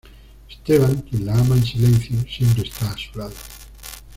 Esteban, quien la ama en silencio, siempre está a su lado.